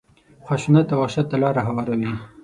خشونت او وحشت ته لاره هواروي.